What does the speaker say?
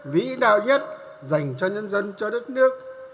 vĩ đạo nhất dành cho nhân dân cho đất nước